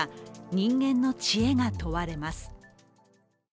人間の知恵が問われます。